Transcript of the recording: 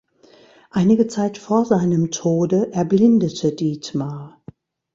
Einige Zeit vor seinem Tode erblindete Dietmar.